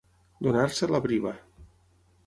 Donar-se a la briva.